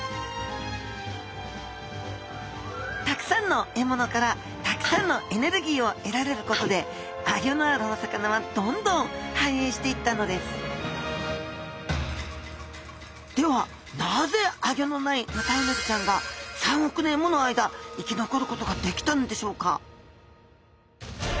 たくさんの獲物からたくさんのエネルギーをえられることでアギョのあるお魚はどんどん繁栄していったのですではなぜアギョのないヌタウナギちゃんが３億年もの間生き残ることができたのでしょうか？